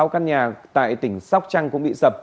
ba mươi sáu căn nhà tại tỉnh sóc trăng cũng bị sập